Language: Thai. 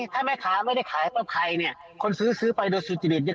ถ้าแม่ค้าไม่ได้ขายภาพเนี่ยคนซื้อไปโดยสุจริต